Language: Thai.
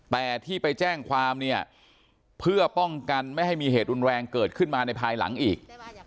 แต่ที่ไปแจ้งความเนี่ยเพื่อป้องกันไม่ให้มีเหตุรุนแรงเกิดขึ้นมาในภายหลังอีก